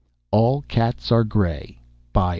_ all cats are gray _by ...